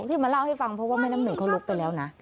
ที่มาเล่าให้ฟังเพราะว่าแม่น้ำหนึ่งเขาลุกไปแล้วนะ